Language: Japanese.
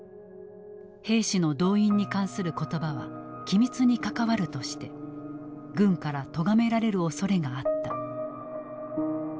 兵士の動員に関する言葉は機密に関わるとして軍からとがめられるおそれがあった。